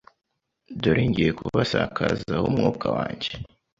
Dore ngiye kubasakazaho umwuka wanjye